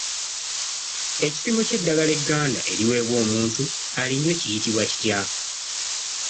Ekipimo ky'eddagala egganda eriweebwa omuntu alinywe kiyitibwa kitya?